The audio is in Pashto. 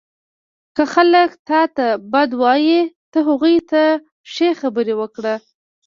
• که خلک تا ته بد وایي، ته هغوی ته ښې خبرې وکړه.